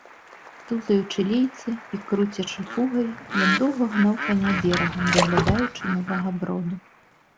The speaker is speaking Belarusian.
Тузаючы лейцы і круцячы пугай, ён доўга гнаў каня берагам, выглядаючы новага броду.